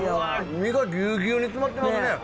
実がぎゅうぎゅうに詰まってますね。